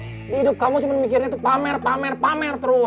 hidup kamu cuma mikirnya tuh pamer pamer pamer terus